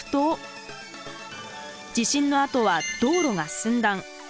地震のあとは道路が寸断。